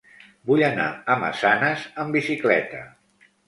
Vull anar a Massanes amb bicicleta.